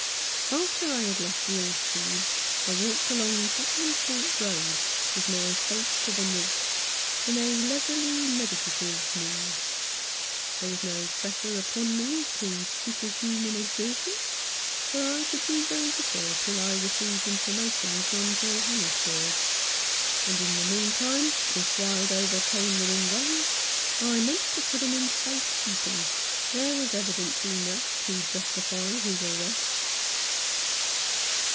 After I had left the Horse Shoe I walked along Tottenham Court Road with my face to the North, in a leisurely meditative mood. There was no pressure upon me to superhuman exertion, for I could do very little till I received informa tion from Johannesburg, and in the meantime, if Wildover came within range, I meant to put him in safe keeping. There was evidence enough to justify his arrest.